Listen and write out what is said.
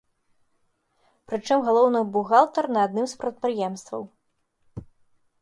Пры чым галоўны бухгалтар на адным з прадпрыемстваў.